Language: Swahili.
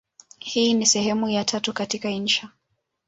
Hii ni sehemu ya tatu katika insha.